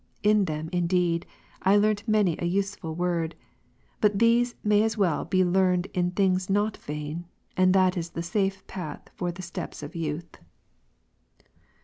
In them, indeed, I learnt many a useful word, but these may as well be learned in things not vain ; and that is the safe path for the steps of youth.